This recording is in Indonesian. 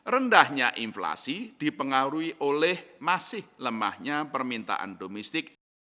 rendahnya inflasi dipengaruhi oleh masih lemahnya permintaan domestik